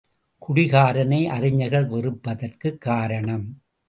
குடிகாரனை அறிஞர்கள் வெறுப்பதற்குக் காரணம்.